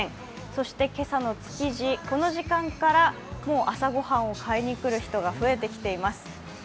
そして今朝の築地、この時間から、もう朝ごはんを買いに来る人が増えています。